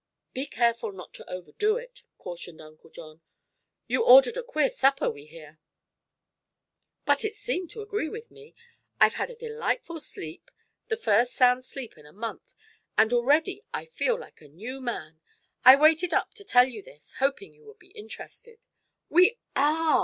"Be careful not to overdo it," cautioned Uncle John. "You ordered a queer supper, we hear." "But it seemed to agree with me. I've had a delightful sleep the first sound sleep in a month and already I feel like a new man. I waited up to tell you this, hoping you would be interested." "We are!"